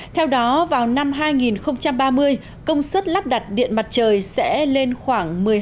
theo đó vào năm hai nghìn ba mươi công suất lắp đặt điện mặt trời sẽ lên khoảng một mươi hai